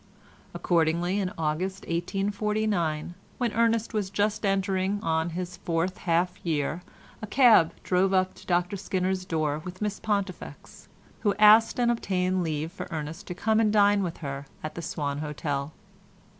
Accordingly in August 1849, when Ernest was just entering on his fourth half year a cab drove up to Dr Skinner's door with Miss Pontifex, who asked and obtained leave for Ernest to come and dine with her at the Swan Hotel.